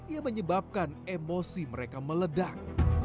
yang menyebabkan emosi mereka meledak